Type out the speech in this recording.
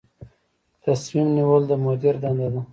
تصمیم نیول د مدیر دنده ده